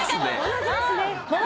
同じですね。